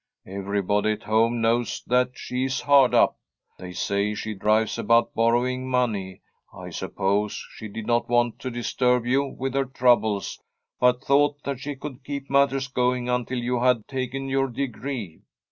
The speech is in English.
Everybody at home knows that she is hard up. They say she drives about borrowing money. I suppose she did not want to disturb you with her troubles, but thought that she could keep matters going until you had taken your de free.